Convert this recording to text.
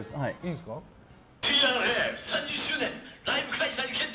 ＴＲＦ３０周年ライブ開催決定！